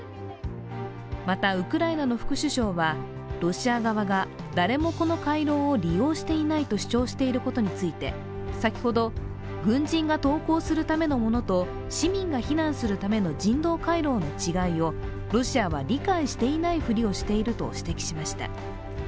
またウクライナの副首相は、ロシア側が誰もこの回廊を利用していないと主張していることについて先ほど、軍人が投降するためのものと市民が避難するための人道回廊の違いをロシアは理解していないふりをしていると指摘しました。